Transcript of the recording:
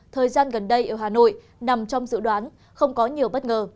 thời gian gần đây ở hà nội nằm trong dự đoán không có nhiều bất ngờ